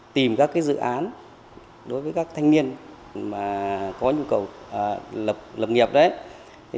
tìm các cái dự án đối với các thanh niên mà có nhu cầu lập nghiệp đấy